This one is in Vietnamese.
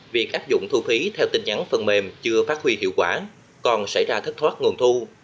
việc áp dụng thu phí theo tin nhắn phần mềm chưa phát huy hiệu quả còn xảy ra thất thoát nguồn thu